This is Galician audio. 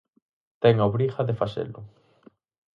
Ten a obriga de facelo.